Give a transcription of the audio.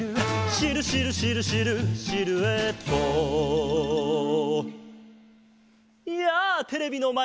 「シルシルシルシルシルエット」やあテレビのまえのみんな！